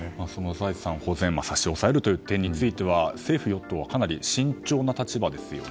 財産保全差し押さえるという点については政府・与党はかなり慎重な立場ですね。